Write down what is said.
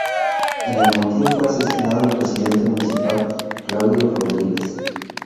En el motín fue asesinado el Presidente Municipal Claudio Rodríguez.